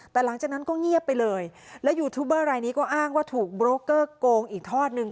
แต่หลังจากนั้นก็เงียบไปเลยแล้วยูทูบเบอร์รายนี้ก็อ้างว่าถูกโบรกเกอร์โกงอีกทอดนึง